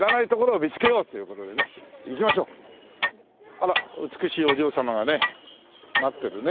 あらっ美しいお嬢様がね待ってるね。